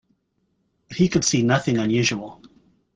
But he could see nothing unusual.